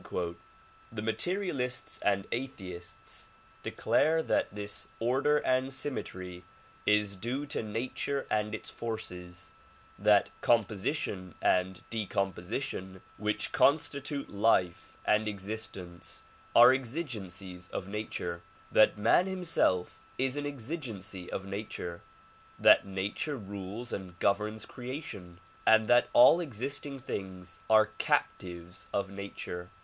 The materialists and atheists declare that this order and symmetry is due to nature and its forces; that composition and decomposition which constitute life and existence are exigencies of nature ; that man himself is an exigency of nature ; that nature rules and governs creation ; and that all existing things are captives of nature.